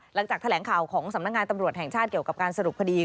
หลังจากแถลงข่าวของสำนักงานตำรวจแห่งชาติเกี่ยวกับการสรุปคดี